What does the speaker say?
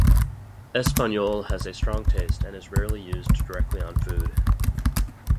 Espagnole has a strong taste and is rarely used directly on food.